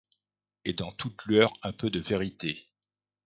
Et dans toute lueur un peu de vérité ;